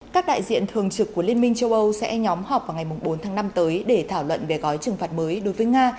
các đại diện thường trực của liên minh châu âu sẽ nhóm họp vào ngày bốn tháng năm tới để thảo luận về gói trừng phạt mới đối với nga